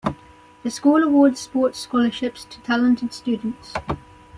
The school awards sports scholarships to talented students.